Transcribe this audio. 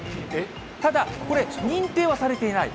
ただこれ、認定はされていない。